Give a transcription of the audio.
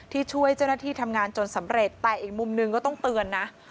ช่วยเจ้าหน้าที่ทำงานจนสำเร็จแต่อีกมุมหนึ่งก็ต้องเตือนนะ